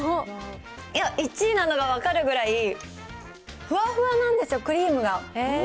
いや、１位なのが分かるぐらい、ふわふわなんですよ、クリームが。